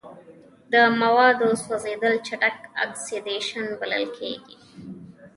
د موادو سوځیدل چټک اکسیدیشن بلل کیږي.